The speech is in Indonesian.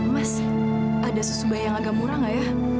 mas ada susu bayam agak murah gak ya